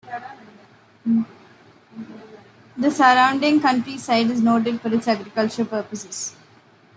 The surrounding countryside is noted for its agricultural purposes.